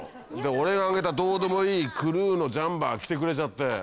俺があげたどうでもいいクルーのジャンパー着てくれちゃって。